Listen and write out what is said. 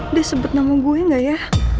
dia sebut nama gue gak ya